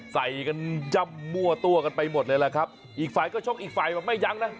ใส่กันย่ำมั่วตัวกันไปหมดเลยแหละครับอีกฝ่ายก็ชกอีกฝ่ายแบบไม่ยั้งนะ